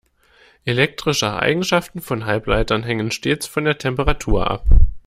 Elektrische Eigenschaften von Halbleitern hängen stets von der Temperatur ab.